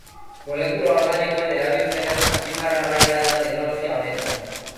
Molekula organikoen erabilpena azpimarragarria da teknologia honetan.